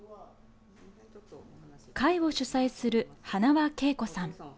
会を主宰する、塙恵子さん。